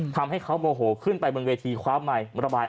ถ้าถ้ารุ่มขึ้นเต้นไม่ได้ทำไม่ถ้าไม่ประกาศ